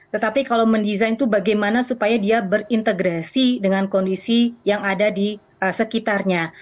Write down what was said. tetapi kalau mendesain itu bagaimana supaya dia berintegrasi dengan kondisi yang ada di sekitarnya